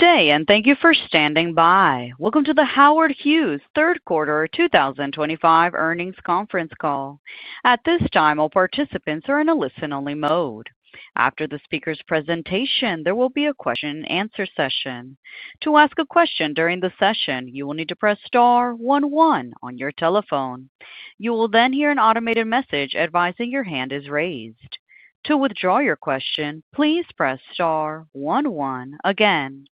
Good day, and thank you for standing by. Welcome to the Howard Hughes Third Quarter 2025 Earnings Conference Call. At this time, all participants are in a listen-only mode. After the speaker's presentation, there will be a question-and-answer session. To ask a question during the session, you will need to press star one one on your telephone. You will then hear an automated message advising your hand is raised. To withdraw your question, please press star one one again.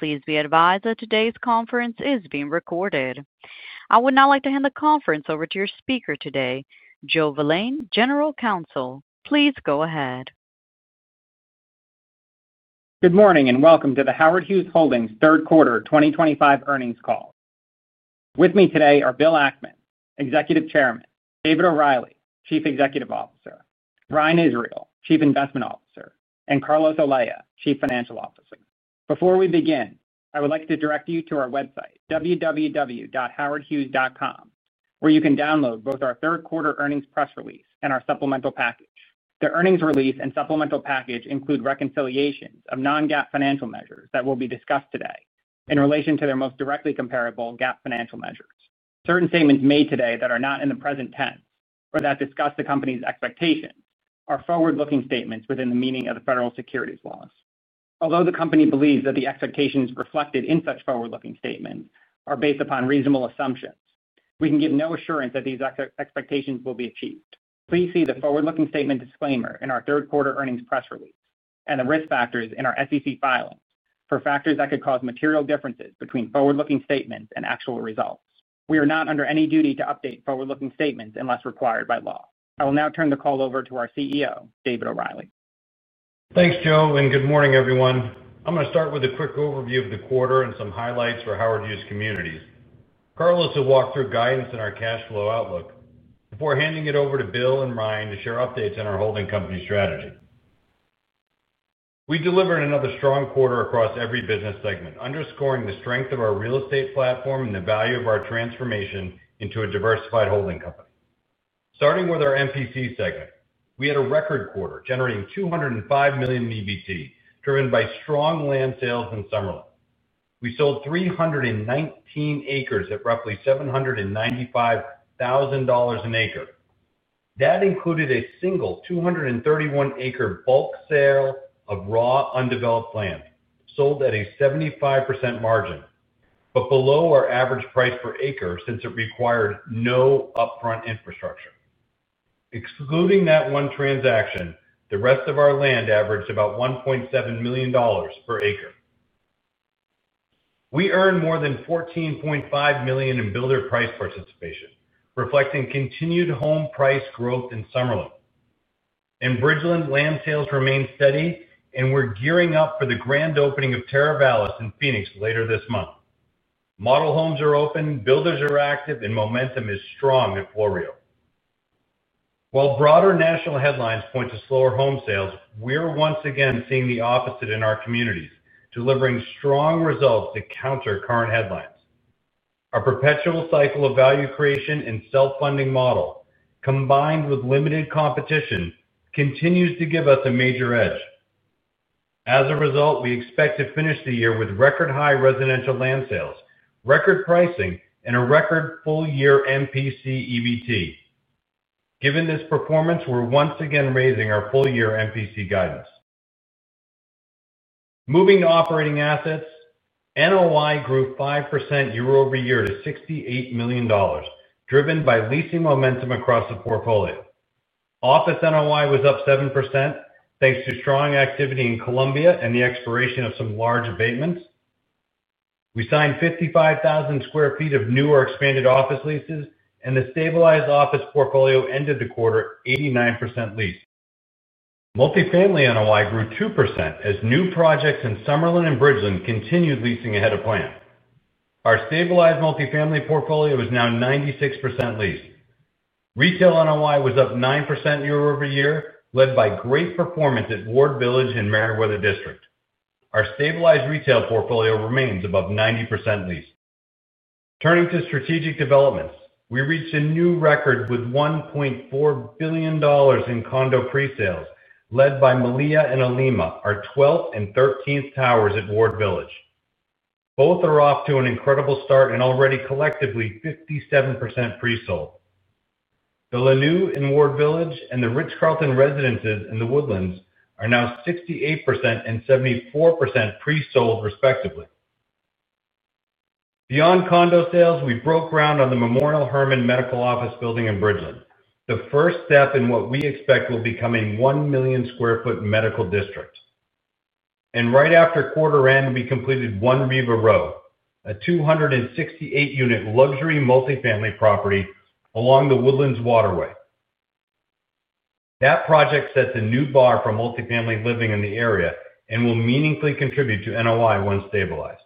Please be advised that today's conference is being recorded. I would now like to hand the conference over to your speaker today, Joe Valane, General Counsel. Please go ahead. Good morning, and welcome to the Howard Hughes Holdings Third Quarter 2025 Earnings Call. With me today are Bill Ackman, Executive Chairman; David O'Reilly, Chief Executive Officer; Ryan Israel, Chief Investment Officer; and Carlos Olea, Chief Financial Officer. Before we begin, I would like to direct you to our website, www.howardhughes.com, where you can download both our third quarter earnings press release and our supplemental package. The earnings release and supplemental package include reconciliations of non-GAAP financial measures that will be discussed today in relation to their most directly comparable GAAP financial measures. Certain statements made today that are not in the present tense or that discuss the company's expectations are forward-looking statements within the meaning of the federal securities laws. Although the company believes that the expectations reflected in such forward-looking statements are based upon reasonable assumptions, we can give no assurance that these expectations will be achieved. Please see the forward-looking statement disclaimer in our third quarter earnings press release and the risk factors in our SEC filings for factors that could cause material differences between forward-looking statements and actual results. We are not under any duty to update forward-looking statements unless required by law. I will now turn the call over to our CEO, David O'Reilly. Thanks, Joe, and good morning, everyone. I'm going to start with a quick overview of the quarter and some highlights for Howard Hughes communities. Carlos will walk through guidance in our cash flow outlook before handing it over to Bill and Ryan to share updates on our holding company strategy. We delivered another strong quarter across every business segment, underscoring the strength of our real estate platform and the value of our transformation into a diversified holding company. Starting with our MPC segment, we had a record quarter generating 205 million EBT, driven by strong land sales in Summerlin. We sold 319 acres at roughly $795,000 an acre. That included a single 231 acre bulk sale of raw undeveloped land sold at a 75% margin, but below our average price per acre since it required no upfront infrastructure. Excluding that one transaction, the rest of our land averaged about $1.7 million per acre. We earned more than $14.5 million in builder price participation, reflecting continued home price growth in Summerlin. In Bridgeland land sales remain steady, and we're gearing up for the grand opening of Terra Vallis in Phoenix later this month. Model homes are open, builders are active, and momentum is strong at Florio. While broader national headlines point to slower home sales, we're once again seeing the opposite in our communities, delivering strong results to counter current headlines. Our perpetual cycle of value creation and self-funding model, combined with limited competition, continues to give us a major edge. As a result, we expect to finish the year with record-high residential land sales, record pricing, and a record full-year MPC EBT. Given this performance, we're once again raising our full-year MPC guidance. Moving to operating assets, NOI grew 5% year-over-year to $68 million, driven by leasing momentum across the portfolio. Office NOI was up 7% thanks to strong activity in Columbia and the expiration of some large abatements. We signed 55,000 sq ft of new or expanded office leases, and the stabilized office portfolio ended the quarter at 89% leased. Multifamily NOI grew 2% as new projects in Summerlin and Bridgeland continued leasing ahead of plan. Our stabilized multifamily portfolio is now 96% leased. Retail NOI was up 9% year-over-year, led by great performance at Ward Village and Merriweather District. Our stabilized retail portfolio remains above 90% leased. Turning to strategic developments, we reached a new record with $1.4 billion in condo pre-sales, led by Malia and Alima, our 12th and 13th towers at Ward Village. Both are off to an incredible start and already collectively 57% pre-sold. The Lanue in Ward Village and the Ritz-Carlton Residences in The Woodlands are now 68% and 74% pre-sold, respectively. Beyond condo sales, we broke ground on the Memorial Hermann Medical Office Building in Bridgeland, the first step in what we expect will become a 1 million sq ft medical district. Right after quarter end, we completed One Riva Row, a 268-unit luxury multifamily property along The Woodlands Waterway. That project sets a new bar for multifamily living in the area and will meaningfully contribute to NOI once stabilized.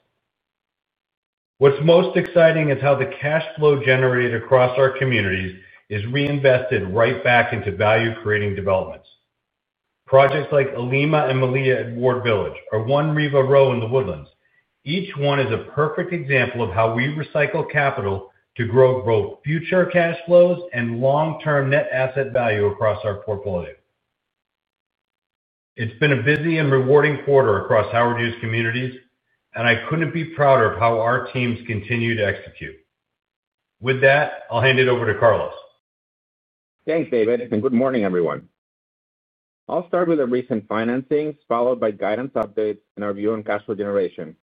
What's most exciting is how the cash flow generated across our communities is reinvested right back into value-creating developments. Projects like Alima and Malia at Ward Village or One Riva Row in The Woodlands, each one is a perfect example of how we recycle capital to grow both future cash flows and long-term net asset value across our portfolio. It's been a busy and rewarding quarter across Howard Hughes communities, and I couldn't be prouder of how our teams continue to execute. With that, I'll hand it over to Carlos. Thanks, David, and good morning, everyone. I'll start with the recent financings, followed by guidance updates and our view on cash flow generation.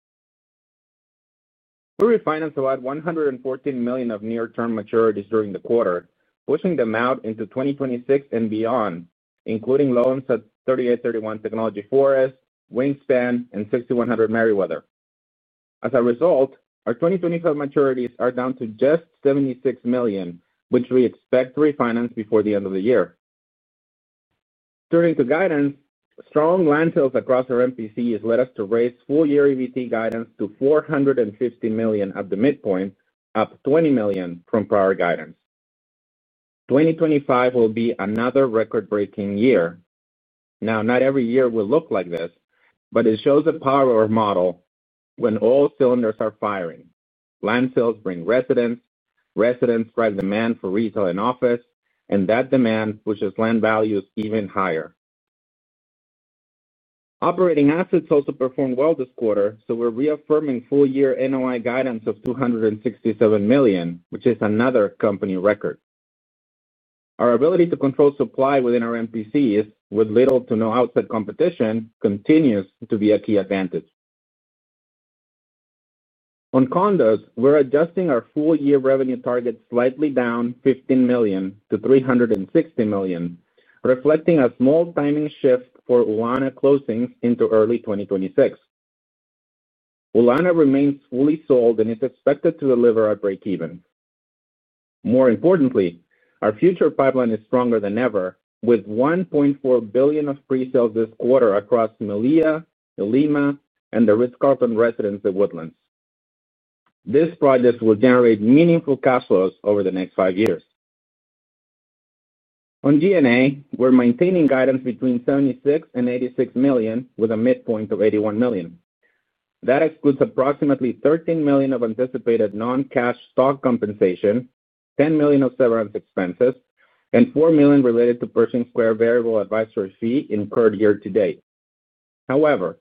We refinanced about $114 million of near-term maturities during the quarter, pushing them out into 2026 and beyond, including loans at 3831 Technology Forest, Wingspan, and 6100 Merriweather. As a result, our 2025 maturities are down to just $76 million, which we expect to refinance before the end of the year. Turning to guidance, strong land sales across our MPCs led us to raise full-year EBT guidance to $450 million at the midpoint, up $20 million from prior guidance. 2025 will be another record-breaking year. Now, not every year will look like this, but it shows the power of our model when all cylinders are firing. Land sales bring residents, residents drive demand for retail and office, and that demand pushes land values even higher. Operating assets also performed well this quarter, so we're reaffirming full-year NOI guidance of $267 million, which is another company record. Our ability to control supply within our MPCs, with little to no outside competition, continues to be a key advantage. On condos, we're adjusting our full-year revenue target slightly down $15 million to $360 million, reflecting a small timing shift for Ohlona closings into early 2026. Ohlona remains fully sold, and it's expected to deliver at break-even. More importantly, our future pipeline is stronger than ever, with $1.4 billion of pre-sales this quarter across Malia, Alima, and the Ritz-Carlton Residences in The Woodlands. This project will generate meaningful cash flows over the next five years. On G&A, we're maintaining guidance between $76 million and $86 million, with a midpoint of $81 million. That excludes approximately $13 million of anticipated non-cash stock compensation, $10 million of severance expenses, and $4 million related to Pershing Square variable advisory fee incurred year to date. However,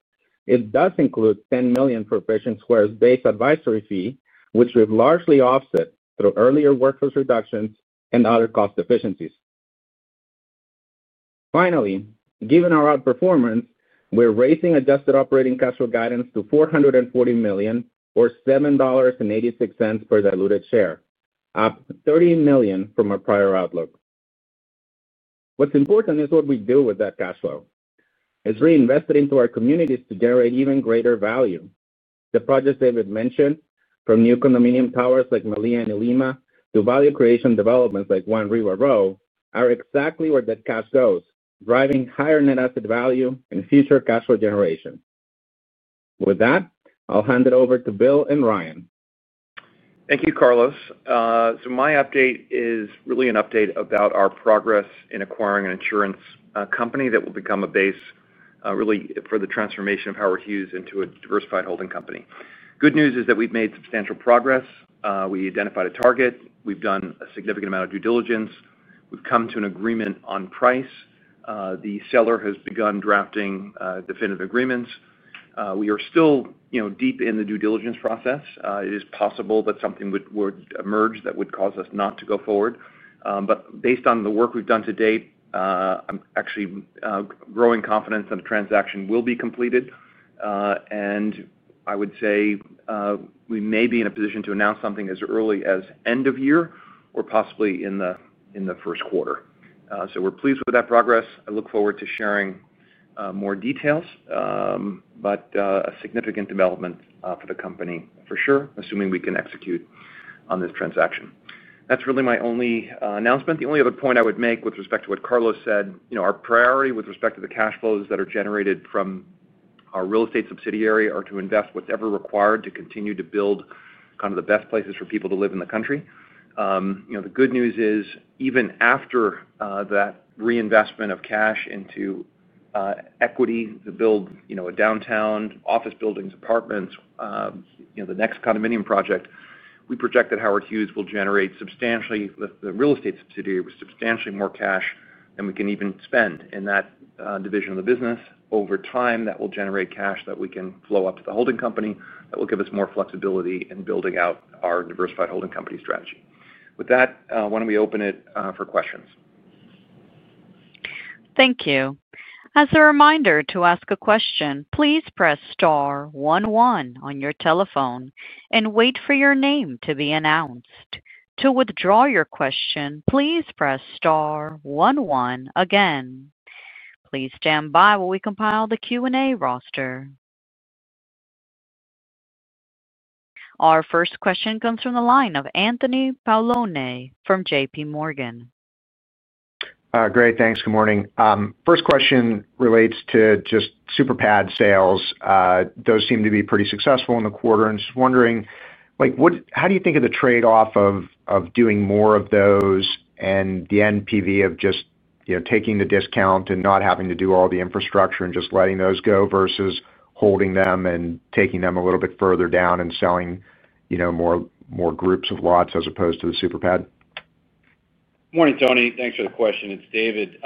it does include $10 million for Pershing Square's base advisory fee, which we have largely offset through earlier workforce reductions and other cost efficiencies. Finally, given our outperformance, we are raising adjusted operating cash flow guidance to $440 million, or $7.86 per diluted share, up $30 million from our prior outlook. What is important is what we do with that cash flow. It is reinvested into our communities to generate even greater value. The projects David mentioned, from new condominium towers like Malia and Alima to value-creation developments like One Riva Row, are exactly where that cash goes, driving higher net asset value and future cash flow generation. With that, I will hand it over to Bill and Ryan. Thank you, Carlos. My update is really an update about our progress in acquiring an insurance company that will become a base really for the transformation of Howard Hughes into a diversified holding company. Good news is that we've made substantial progress. We identified a target. We've done a significant amount of due diligence. We've come to an agreement on price. The seller has begun drafting definitive agreements. We are still deep in the due diligence process. It is possible that something would emerge that would cause us not to go forward. Based on the work we've done to date, I'm actually growing confidence that a transaction will be completed. I would say we may be in a position to announce something as early as end of year or possibly in the first quarter. We're pleased with that progress. I look forward to sharing more details, but a significant development for the company, for sure, assuming we can execute on this transaction. That is really my only announcement the only other point I would make with respect to what Carlos said, our priority with respect to the cash flows that are generated from our real estate subsidiary are to invest whatever is required to continue to build kind of the best places for people to live in the country. The good news is, even after that reinvestment of cash into equity to build a downtown office buildings, apartments, the next condominium project, we project that Howard Hughes will generate the real estate subsidiary with substantially more cash than we can even spend in that division of the business. Over time, that will generate cash that we can flow up to the holding company that will give us more flexibility in building out our diversified holding company strategy. With that, why don't we open it for questions? Thank you. As a reminder to ask a question, please press star one one on your telephone and wait for your name to be announced. To withdraw your question, please press star one one again. Please stand by while we compile the Q&A roster. Our first question comes from the line of Anthony Paolone from JPMorgan. Great. Thanks. Good morning. First question relates to just super pad sales, those seem to be pretty successful in the quarter. Just wondering, how do you think of the trade-off of doing more of those and the NPV of just taking the discount and not having to do all the infrastructure and just letting those go versus holding them and taking them a little bit further down and selling more groups of lots as opposed to the super pad? Good morning, Tony. Thanks for the question. It's David.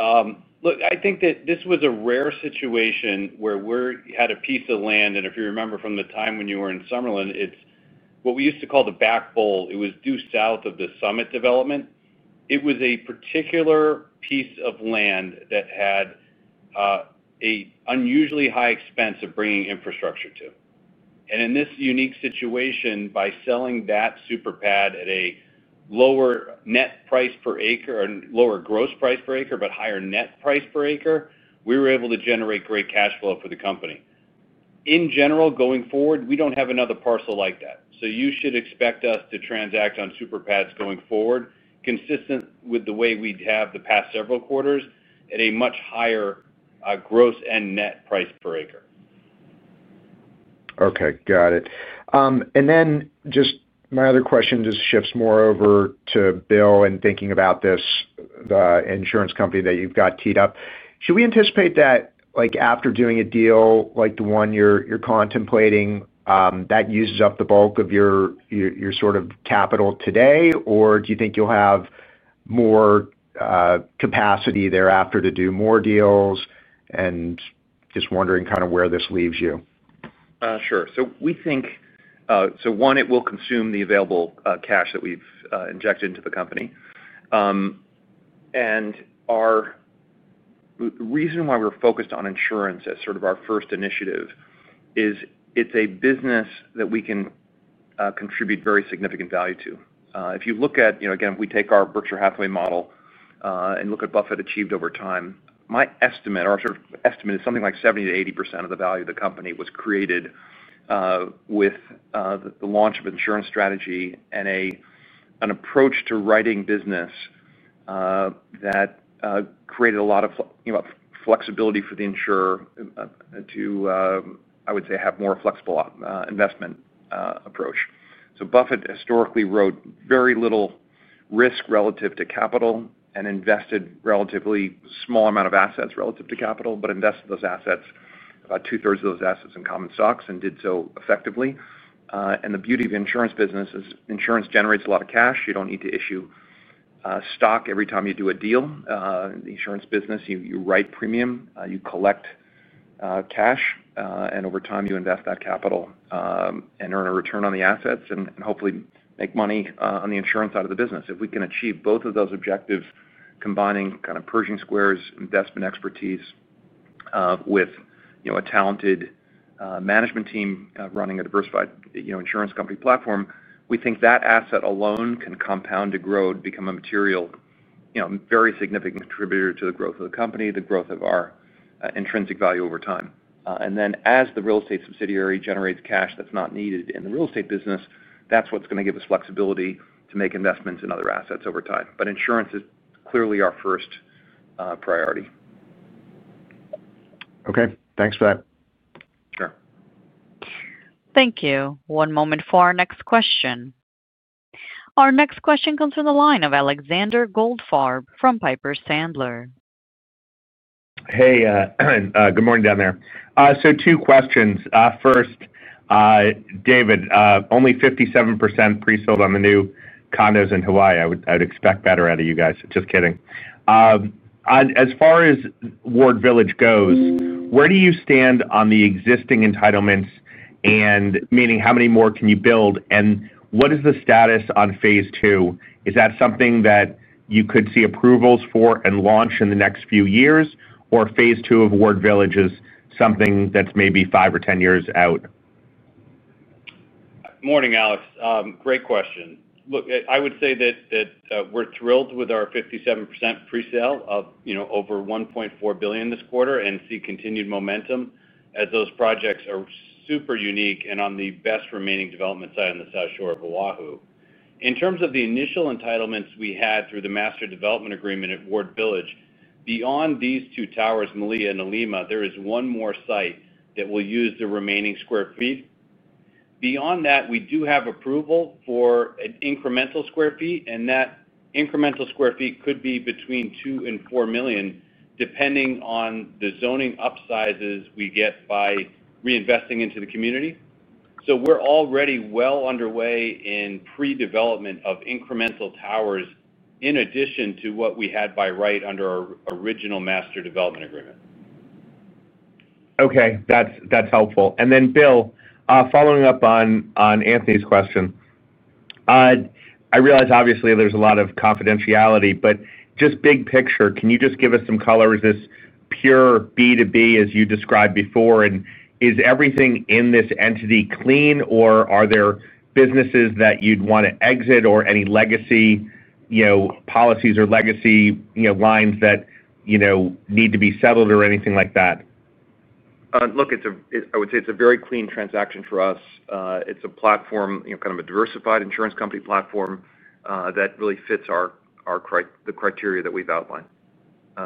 Look, I think that this was a rare situation where we had a piece of land. And if you remember from the time when you were in Summerlin, it's what we used to call the Back Bowl. It was due south of the Summit development. It was a particular piece of land that had an unusually high expense of bringing infrastructure to. In this unique situation, by selling that super pad at a lower net price per acre or lower gross price per acre, but higher net price per acre, we were able to generate great cash flow for the company. In general, going forward, we don't have another parcel like that. You should expect us to transact on super pads going forward, consistent with the way we have the past several quarters at a much higher gross and net price per acre. Okay. Got it. My other question just shifts more over to Bill and thinking about this insurance company that you've got teed up. Should we anticipate that after doing a deal like the one you're contemplating, that uses up the bulk of your sort of capital today, or do you think you'll have more capacity thereafter to do more deals? I'm just wondering kind of where this leaves you. Sure. We think, one, it will consume the available cash that we have injected into the company. The reason why we are focused on insurance as sort of our first initiative is it is a business that we can contribute very significant value to. If you look at, again, if we take our Berkshire Hathaway model and look at what Buffett achieved over time, my estimate, our sort of estimate is something like 70-80% of the value of the company was created with the launch of insurance strategy and an approach to writing business that created a lot of flexibility for the insurer to, I would say, have more flexible investment approach. Buffett historically wrote very little risk relative to capital and invested a relatively small amount of assets relative to capital, but invested those assets, about two-thirds of those assets in common stocks, and did so effectively. The beauty of insurance business is insurance generates a lot of cash. You do not need to issue stock every time you do a deal. The insurance business, you write premium, you collect cash, and over time you invest that capital and earn a return on the assets and hopefully make money on the insurance side of the business. If we can achieve both of those objectives, combining kind of Pershing Square's investment expertise with a talented management team running a diversified insurance company platform, we think that asset alone can compound to grow to become a material, very significant contributor to the growth of the company, the growth of our intrinsic value over time. As the real estate subsidiary generates cash that's not needed in the real estate business, that's what's going to give us flexibility to make investments in other assets over time. Insurance is clearly our first priority. Okay. Thanks for that. Sure. Thank you. One moment for our next question. Our next question comes from the line of Alexander Goldfarb from Piper Sandler. Hey. Good morning down there. Two questions. First, David, only 57% pre-sold on the new condos in Hawaii. I would expect better out of you guys. Just kidding. As far as Ward Village goes, where do you stand on the existing entitlements, meaning how many more can you build, and what is the status on phase two? Is that something that you could see approvals for and launch in the next few years, or phase two of Ward Village is something that's maybe 5 or 10 years out? Morning, Alex. Great question. Look, I would say that we're thrilled with our 57% presale of over $1.4 billion this quarter and see continued momentum as those projects are super unique and on the best remaining development site on the South Shore of Oahu. In terms of the initial entitlements we had through the master development agreement at Ward Village, beyond these two towers, Malia and Alima, there is one more site that will use the remaining sq ft. Beyond that, we do have approval for an incremental sq ft, and that incremental sq ft could be between 2 million and 4 million, depending on the zoning upsizes we get by reinvesting into the community. We are already well underway in pre-development of incremental towers in addition to what we had by right under our original master development agreement. Okay. That's helpful. Bill, following up on Anthony's question, I realize obviously there's a lot of confidentiality, but just big picture, can you just give us some color? Is this pure B2B as you described before, and is everything in this entity clean, or are there businesses that you'd want to exit or any legacy policies or legacy lines that need to be settled or anything like that? Look, I would say it's a very clean transaction for us. It's a platform, kind of a diversified insurance company platform that really fits the criteria that we've outlined.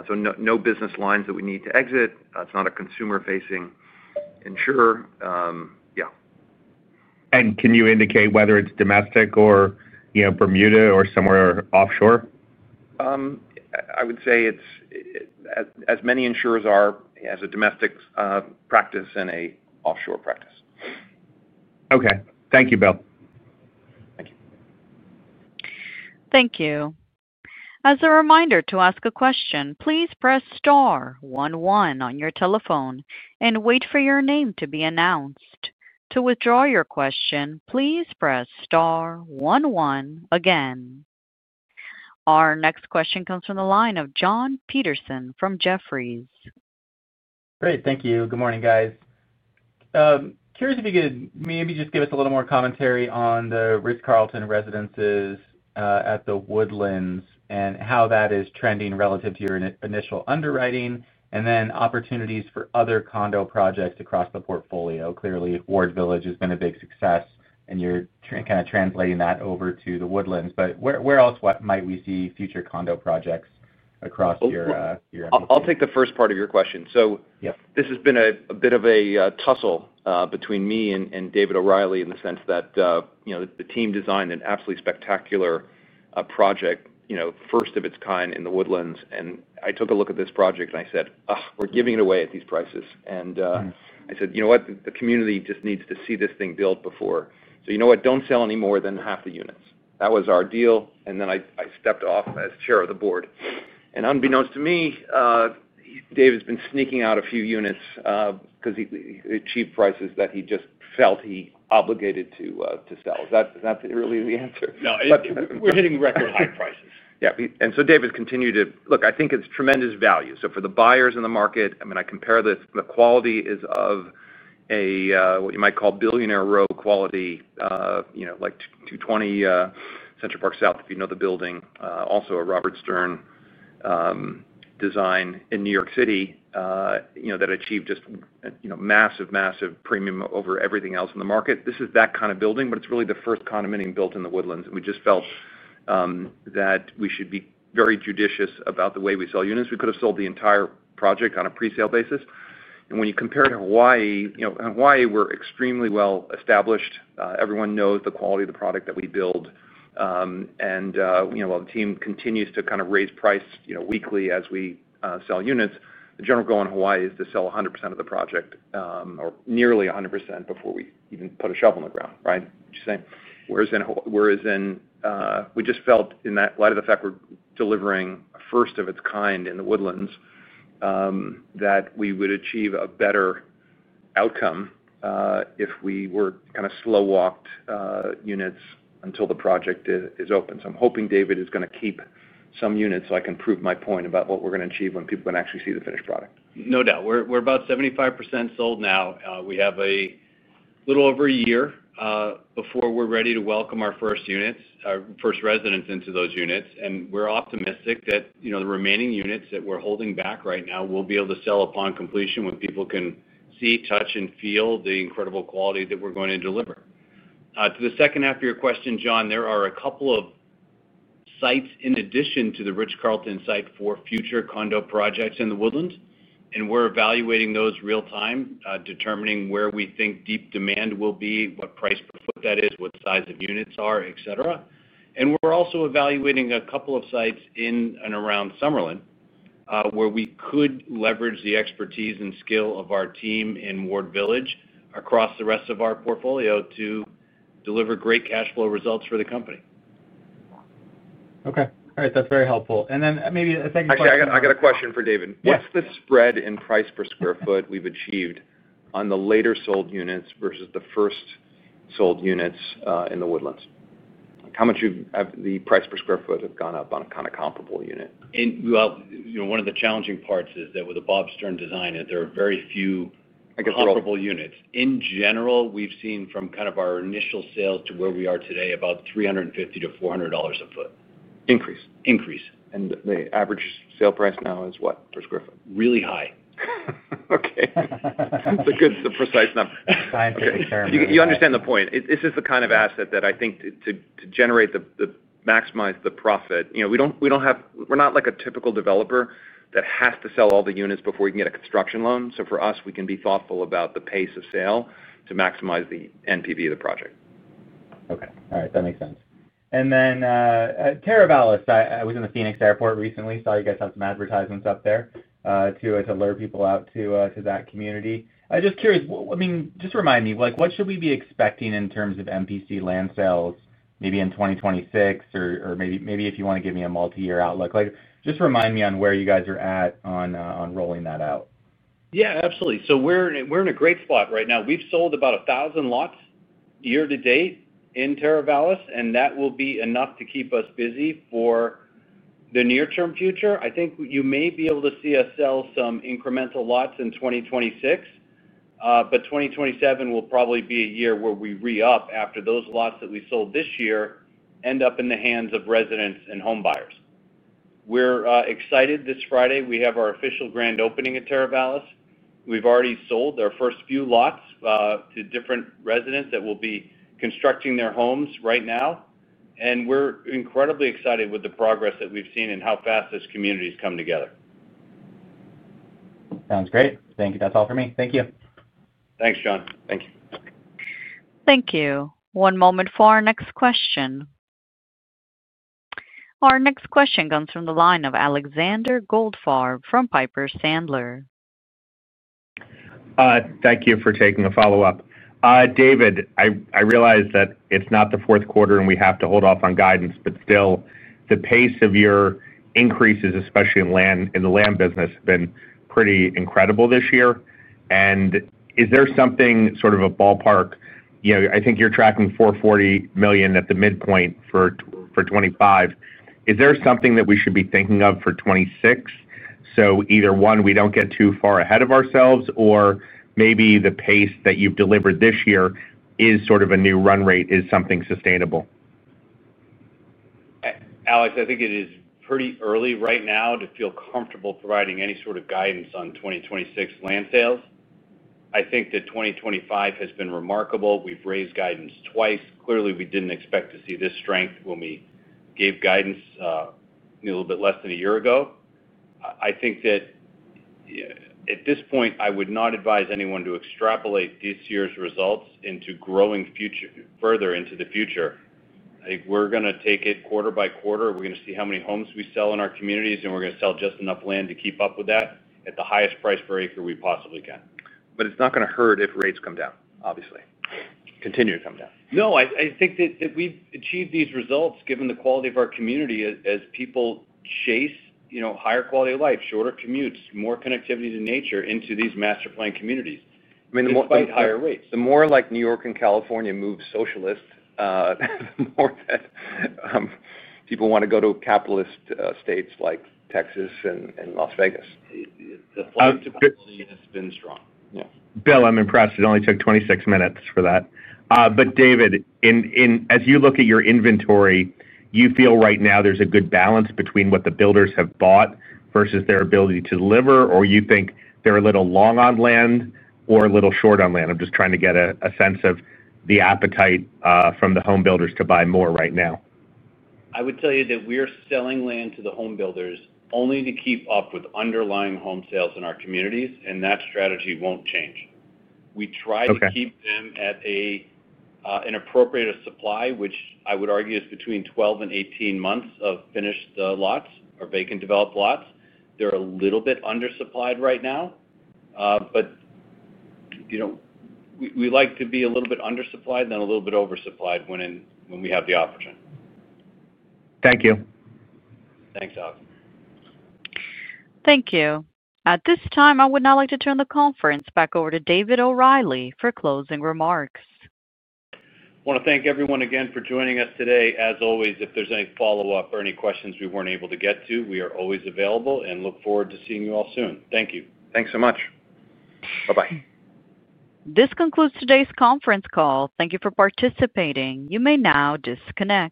No business lines that we need to exit. It's not a consumer-facing insurer. Yeah. Can you indicate whether it's domestic or Bermuda or somewhere offshore? I would say it's as many insurers are as a domestic practice and an offshore practice. Okay. Thank you, Bill. Thank you. Thank you. As a reminder to ask a question, please press star one one on your telephone and wait for your name to be announced. To withdraw your question, please press star one one again. Our next question comes from the line of Jon Peterson from Jefferies. Great. Thank you. Good morning, guys. Curious if you could maybe just give us a little more commentary on the Ritz-Carlton Residences at The Woodlands and how that is trending relative to your initial underwriting and then opportunities for other condo projects across the portfolio. Clearly, Ward Village has been a big success, and you're kind of translating that over to The Woodlands. Where else might we see future condo projects across your portfolio? I'll take the first part of your question. This has been a bit of a tussle between me and David O'Reilly in the sense that the team designed an absolutely spectacular project, first of its kind in The Woodlands. I took a look at this project, and I said, "Ugh, we're giving it away at these prices." I said, "You know what? The community just needs to see this thing built before. You know what? Do not sell any more than half the units." That was our deal. I stepped off as Chair of the Board. Unbeknownst to me, David's been sneaking out a few units because he achieved prices that he just felt he obligated to sell. Is that really the answer? No. We're hitting record high prices. Yeah. David's continued to look, I think it's tremendous value. For the buyers in the market, I mean, I compare the quality as what you might call billionaire row quality, like 220 Central Park South, if you know the building, also a Robert Stern design in New York City that achieved just massive, massive premium over everything else in the market. This is that kind of building, but it's really the first condominium built in The Woodlands. We just felt that we should be very judicious about the way we sell units. We could have sold the entire project on a presale basis. When you compare to Hawaii, Hawaii, we're extremely well established. Everyone knows the quality of the product that we build. While the team continues to kind of raise price weekly as we sell units, the general goal in Hawaii is to sell 100% of the project or nearly 100% before we even put a shovel in the ground, right? Which is saying, whereas in we just felt in that light of the fact we're delivering a first of its kind in The Woodlands that we would achieve a better outcome if we were kind of slow-walked units until the project is open. I'm hoping David is going to keep some units so I can prove my point about what we're going to achieve when people can actually see the finished product. No doubt. We're about 75% sold now. We have a little over a year before we're ready to welcome our first units, our first residents into those units. We're optimistic that the remaining units that we're holding back right now will be able to sell upon completion when people can see, touch, and feel the incredible quality that we're going to deliver. To the second half of your question, Jon, there are a couple of sites in addition to the Ritz-Carlton site for future condo projects in The Woodlands. We're evaluating those real-time, determining where we think deep demand will be, what price per foot that is, what size of units are, etc. We're also evaluating a couple of sites in and around Summerlin where we could leverage the expertise and skill of our team in Ward Village across the rest of our portfolio to deliver great cash flow results for the company. Okay. All right. That's very helpful. And then maybe a second question. I got a question for David. What's the spread in price per square foot we've achieved on the later sold units versus the first sold units in The Woodlands? How much have the price per square foot gone up on a kind of comparable unit? One of the challenging parts is that with the Bob Stern design, there are very few comparable units. In general, we've seen from kind of our initial sales to where we are today, about $350-$400 a sq ft. Increase. Increase. is the average sale price now per square foot? Really high. Okay. It's a good precise number. Scientific term. You understand the point. This is the kind of asset that I think to generate the maximize the profit. We do not have, we are not like a typical developer that has to sell all the units before we can get a construction loan. For us, we can be thoughtful about the pace of sale to maximize the NPV of the project. Okay. All right. That makes sense. Then Terra Vallis, I was in the Phoenix airport recently, saw you guys have some advertisements up there to lure people out to that community. I'm just curious. I mean, just remind me, what should we be expecting in terms of MPC land sales maybe in 2026, or maybe if you want to give me a multi-year outlook, just remind me on where you guys are at on rolling that out. Yeah. Absolutely. We are in a great spot right now. We have sold about 1,000 lots year to date in Terra Vallis, and that will be enough to keep us busy for the near-term future. I think you may be able to see us sell some incremental lots in 2026, but 2027 will probably be a year where we re-up after those lots that we sold this year end up in the hands of residents and homebuyers. We are excited this Friday. We have our official grand opening at Terra Vallis. We have already sold our first few lots to different residents that will be constructing their homes right now. We are incredibly excited with the progress that we have seen and how fast this community has come together. Sounds great. Thank you. That's all for me. Thank you. Thanks, Jon. Thank you. Thank you. One moment for our next question. Our next question comes from the line of Alexander Goldfarb from Piper Sandler. Thank you for taking a follow-up. David, I realize that it's not the fourth quarter and we have to hold off on guidance, but still, the pace of your increases, especially in the land business, have been pretty incredible this year. Is there something sort of a ballpark I think you're tracking $440 million at the midpoint for 2025. Is there something that we should be thinking of for 2026? Either, one, we don't get too far ahead of ourselves, or maybe the pace that you've delivered this year is sort of a new run rate is something sustainable? Alex, I think it is pretty early right now to feel comfortable providing any sort of guidance on 2026 land sales. I think that 2025 has been remarkable. We've raised guidance twice. Clearly, we didn't expect to see this strength when we gave guidance a little bit less than a year ago. I think that at this point, I would not advise anyone to extrapolate this year's results into growing further into the future. I think we're going to take it quarter by quarter. We're going to see how many homes we sell in our communities, and we're going to sell just enough land to keep up with that at the highest price per acre we possibly can. It's not going to hurt if rates come down, obviously. Continue to come down. No. I think that we've achieved these results given the quality of our community as people chase higher quality of life, shorter commutes, more connectivity to nature into these master-planned communities. I mean, the more higher rates. The more like New York and California move socialist, the more that people want to go to capitalist states like Texas and Las Vegas. The flexibility has been strong. Bill, I'm impressed. It only took 26 minutes for that. David, as you look at your inventory, do you feel right now there's a good balance between what the builders have bought versus their ability to deliver, or do you think they're a little long on land or a little short on land? I'm just trying to get a sense of the appetite from the homebuilders to buy more right now. I would tell you that we're selling land to the homebuilders only to keep up with underlying home sales in our communities, and that strategy won't change. We try to keep them at an appropriate supply, which I would argue is between 12-18 months of finished lots or vacant developed lots. They're a little bit undersupplied right now, but we like to be a little bit undersupplied and then a little bit oversupplied when we have the opportunity. Thank you. Thanks, Alex. Thank you. At this time, I would now like to turn the conference back over to David O'Reilly for closing remarks. I want to thank everyone again for joining us today. As always, if there's any follow-up or any questions we weren't able to get to, we are always available and look forward to seeing you all soon. Thank you. Thanks so much. Bye-bye. This concludes today's conference call. Thank you for participating. You may now disconnect.